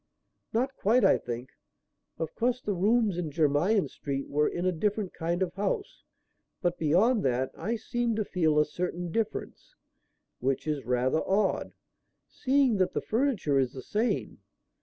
"Not quite, I think. Of course the rooms in Jermyn Street were in a different kind of house, but beyond that, I seem to feel a certain difference; which is rather odd, seeing that the furniture is the same.